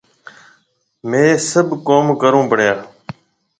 ميه سڀ ڪوم ڪرون پيڙيا۔